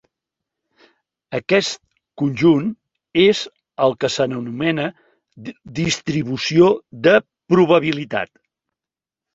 Aquest conjunt és el que s'anomena distribució de probabilitat.